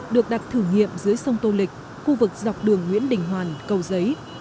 được đặt thử nghiệm dưới sông tô lịch khu vực dọc đường nguyễn đình hoàn cầu giấy